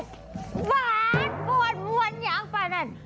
บาดบวนบวนยังป่านั่น